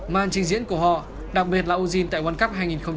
man trình diễn của họ đặc biệt là ozin tại world cup hai nghìn một mươi tám